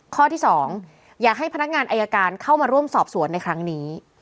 ข้อที่๒อยากให้พนักงานอายการเข้ามาร่วมสอบสวนในครั้งนี้